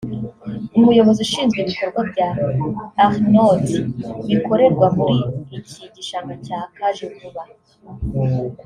umuyobozi ushinzwe ibikorwa bya Arnaud bikorerwa muri iki gishanga cya Kajevuba